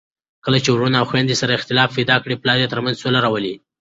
کله چي وروڼه او خويندې سره اختلاف پیدا کړي، پلار یې ترمنځ سوله راولي.